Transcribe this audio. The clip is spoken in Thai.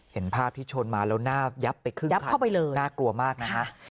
เห็นภาพที่ชนมาแล้วหน้ายับไปครึ่งยับเข้าไปเลยน่ากลัวมากนะฮะ